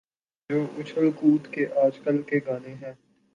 جو اچھل کود کے آج کل کے گانے ہیں۔